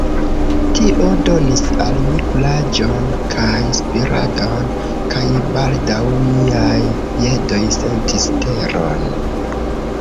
Tio donis al mi kuraĝon kaj spiradon, kaj baldaŭ miaj piedoj sentis teron.